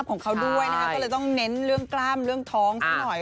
ก็เลยต้องเน้นเรื่องกล้ามเรื่องท้องซักหน่อย